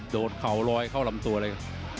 โดนเข่าลอยเข้าลำตัวเลย